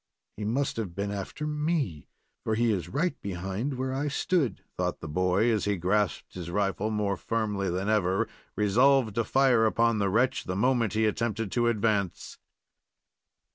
"He must have been after me, for he is right behind where I stood," thought the boy, as he grasped his rifle more firmly than ever, resolved to fire upon the wretch the moment he attempted to advance.